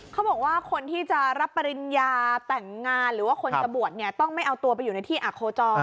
เขาบอกว่าคนที่จะรับปริญญาแต่งงานหรือว่าคนจะบวชเนี่ยต้องไม่เอาตัวไปอยู่ในที่อาโคจร